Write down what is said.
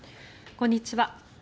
こんにちは。